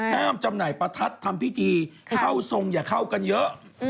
จำหน่ายประทัดทำพิธีเข้าทรงอย่าเข้ากันเยอะ